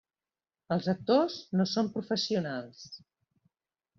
Els actors no són professionals.